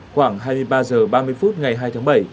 khoảng hai mươi ba h ba mươi phút ngày hai tháng bảy